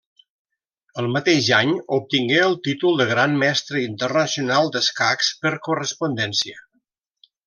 El mateix any, obtingué el títol de Gran Mestre Internacional d'escacs per correspondència.